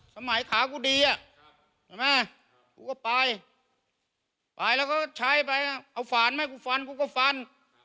สมัยขากูดีอะใช่ไหมกูก็ไปไปแล้วก็ใช้ไปเอาฝ่านไหมกูฝันกูก็ฝัน